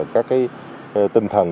các tinh thần